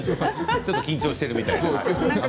ちょっと緊張してるみたい。